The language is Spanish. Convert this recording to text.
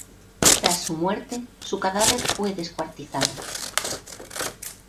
Tras su muerte su cadáver fue descuartizado.